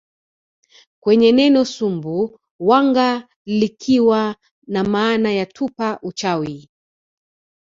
kwenye neno Sumbu wanga likiwa na maana ya tupa uchawi